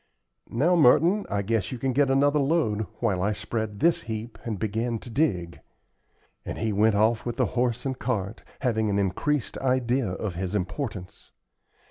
"Now, Merton, I guess you can get another load, while I spread this heap and begin to dig;" and he went off with the horse and cart, having an increased idea of his importance.